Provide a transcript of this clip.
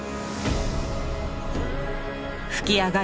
噴き上がる